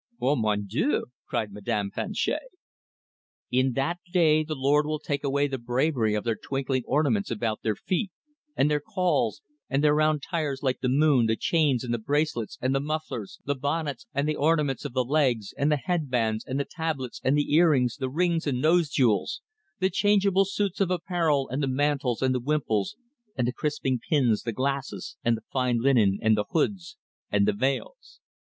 "Oh, mon Dieu!" cried Madame Planchet. "In that day the Lord will take away the bravery of their twinkling ornaments about their feet, and their cauls, and their round tires like the moon, the chains, and the bracelets, and the mufflers, the bonnets, and the ornaments of the legs, and the headbands, and the tablets, and the earrings, the rings and nose jewels, the changeable suits of apparel, and the mantles, and the wimples, and the crisping pins, the glasses, and the fine linen, and the hoods, and the veils.